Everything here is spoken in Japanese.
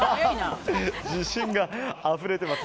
自信があふれてます。